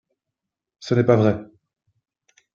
Ce n’est pas vrai